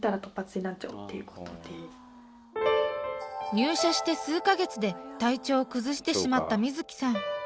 入社して数か月で体調を崩してしまった瑞樹さん。